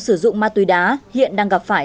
sử dụng ma túy đá hiện đang gặp phải